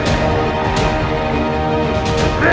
kalala jangan asyik